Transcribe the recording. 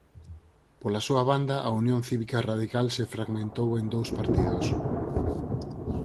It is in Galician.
Pola súa banda a Unión Cívica Radical se fragmentou en dous partidos.